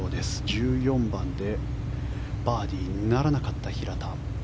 １４番でバーディーならなかった平田。